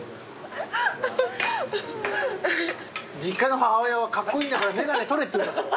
実家の母親はカッコイイんだから眼鏡取れって言うんだから。